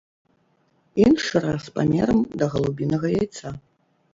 Іншы раз памерам да галубінага яйца.